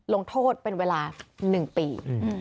ลงโทษเป็นเวลา๑ปี